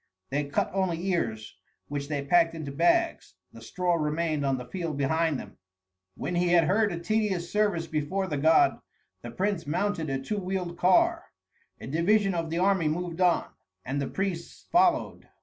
They cut only ears, which they packed into bags; the straw remained on the field behind them. When he had heard a tedious service before the god, the prince mounted a two wheeled car, a division of the army moved on, and the priests followed.